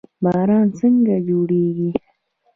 باران څنګه جوړیږي؟